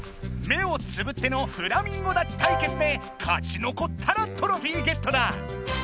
目をつぶっての「フラミンゴ立ち対決」で勝ちのこったらトロフィーゲットだ！